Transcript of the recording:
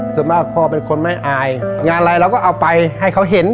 ส่วนมากพ่อเป็นคนไม่อายงานอะไรเราก็เอาไปให้เขาเห็น